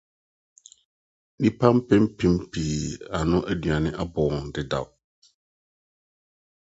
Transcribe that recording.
Nnipa ɔpepem pii ano aduan abɔ wɔn dedaw.